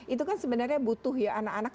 itu kan sebenarnya butuh ya anak anak